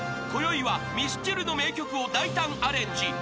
［こよいはミスチルの名曲を大胆アレンジ］